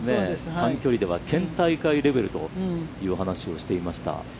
短距離では、県大会レベルという話をしていました。